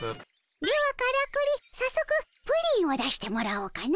ではからくり早速プリンを出してもらおうかの。